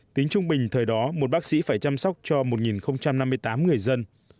tính trung bình thời đó một bác sĩ phải chăm sóc cho một năm mươi tám người dân